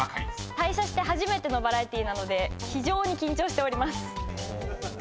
退社して初めてのバラエティーなので緊張しております。